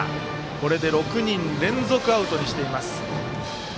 これで６人連続アウトにしています。